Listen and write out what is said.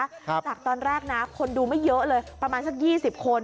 จากตอนแรกนะคนดูไม่เยอะเลยประมาณสักยี่สิบคน